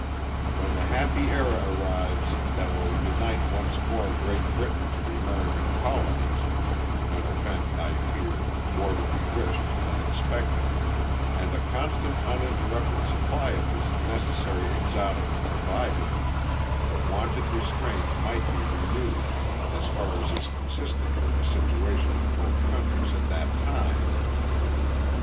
When the happy ├"ra arrives that will unite once more Great Britain to the American colonies (an event, I fear, more to be wished than expected) and a constant uninterrupted supply of this necessary exotic provided, the wonted restraint might be renewed, as far as is consistent with the situation of both countries at that time.